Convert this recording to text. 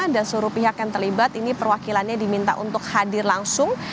dan seluruh pihak yang terlibat ini perwakilannya diminta untuk hadir langsung